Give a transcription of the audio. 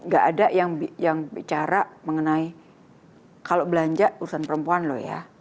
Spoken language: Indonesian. gak ada yang bicara mengenai kalau belanja urusan perempuan loh ya